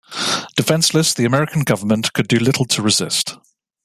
Defenseless, the American government could do little to resist.